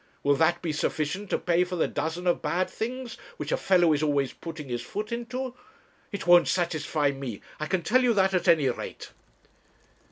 Will that be sufficient to pay for the dozen of bad things which a fellow is always putting his foot into? It won't satisfy me. I can tell you that, at any rate.'